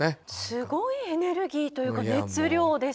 すごいエネルギーというか熱量でしたよね。